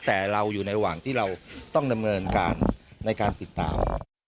แต่เราอยู่ในระหว่างที่เราต้องดำเนินการในการติดตาม